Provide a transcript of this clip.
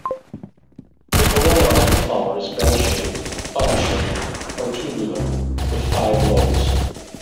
The corolla of the flower is bell-shaped, funnel-shaped, or tubular, with five lobes.